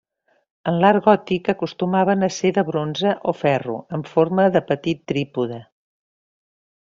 En l'art gòtic acostumaven a ser de bronze o ferro en forma de petit trípode.